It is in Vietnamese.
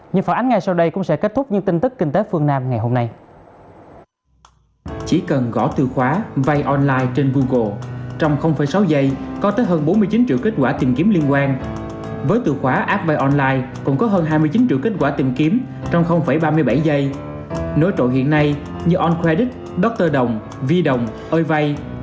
nhưng phản ánh ngay sau đây cũng sẽ kết thúc những tin tức kinh tế phương nam ngày hôm nay